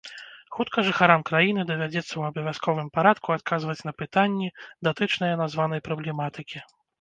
Хутка жыхарам краіны давядзецца ў абавязковым парадку адказваць на пытанні, датычныя названай праблематыкі.